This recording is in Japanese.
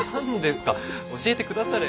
教えてくだされ。